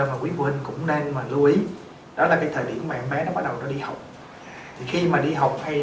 mà quý quân cũng nên mà lưu ý đó là cái thời điểm mà em bé nó bắt đầu nó đi học thì khi mà đi học hay